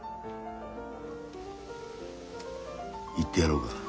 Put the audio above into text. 言ってやろうか。